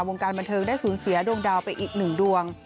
วงการบันเทิงได้สูญเสียดวงดาวไปอีกหนึ่งดวง